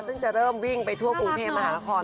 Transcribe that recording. ซึ่งจะเริ่มวิ่งไปทั่วกรุงเทพมหานคร